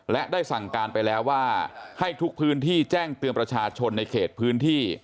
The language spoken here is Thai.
และได้สั่งการไปแล้วว่าให้ทุกพื้นที่แจ้งเตือนประชาชนในเขตพื้นที่